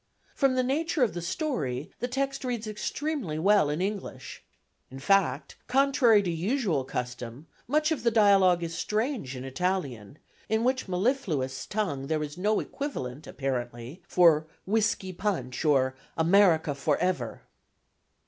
From the nature of the story, the text reads extremely well in English; in fact, contrary to usual custom, much of the dialogue is strange in Italian, in which mellifluous tongue there is no equivalent apparently for "whisky punch" or "America for ever!"